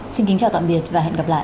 xin kính chào tạm biệt và hẹn gặp lại